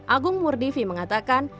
agung murdivi mengatakan